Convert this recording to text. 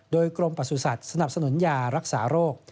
โดยกรมประสุทธิ์สนับสนุนยารักษาโรค